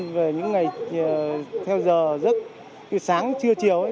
về những ngày theo giờ rất sáng trưa chiều